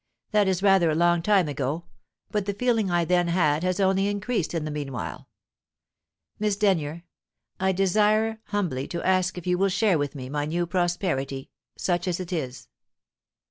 That is rather a long time ago, but the feeling I then had has only increased in the meanwhile. Miss Denyer, I desire humbly to ask if you will share with me my new prosperity, such as it is?"